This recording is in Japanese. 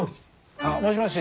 あのもしもし